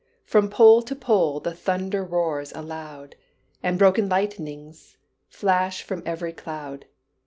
From pole to pole the thunder roars aloud, And broken lightnings flash from every cloud.